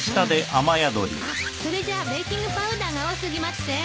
あっそれじゃベーキングパウダーが多過ぎません？